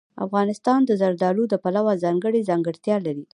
افغانستان د زردالو د پلوه ځانته ځانګړتیا لري.